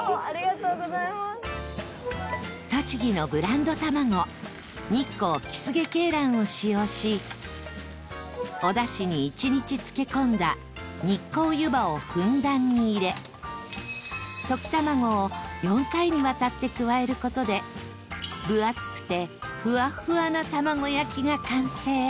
栃木のブランド卵日光きすげ鶏卵を使用しおダシに１日漬け込んだ日光ゆばをふんだんに入れ溶き卵を４回にわたって加える事で分厚くてフワフワな卵焼きが完成